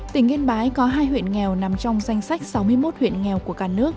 tỉnh yên bái có hai huyện nghèo nằm trong danh sách sáu mươi một huyện nghèo của cả nước